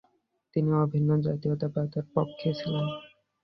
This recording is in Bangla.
তিনি অভিন্ন জাতীয়তাবাদের পক্ষে ছিলেন।